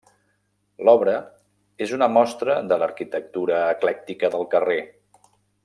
L'obra és una mostra de l'arquitectura eclèctica del carrer.